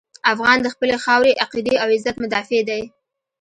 افغان د خپلې خاورې، عقیدې او عزت مدافع دی.